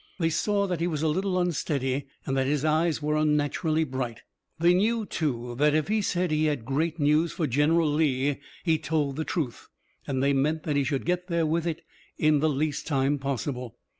They saw that he was a little unsteady, and that his eyes were unnaturally bright. They knew, too, that if he said he had great news for General Lee he told the truth, and they meant that he should get there with it in the least time possible.